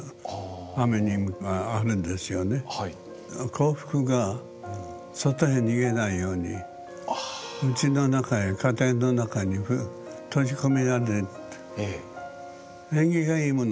幸福が外へ逃げないようにうちの中へ家庭の中に閉じ込められると。